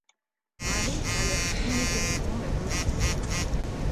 Mary alerte immédiatement la police.